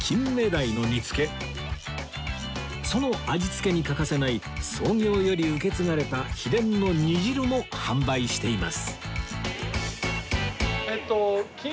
その味付けに欠かせない創業より受け継がれた秘伝の煮汁も販売しています